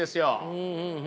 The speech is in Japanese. うんうん。